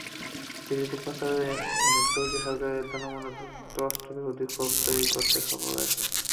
বিষয়টি প্রচারে এনে তুর্কি সরকার জনমনে যুক্তরাষ্ট্রবিরোধী ক্ষোভ তৈরি করতে সফল হয়েছে।